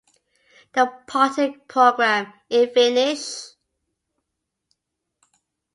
The party program (in Finnish)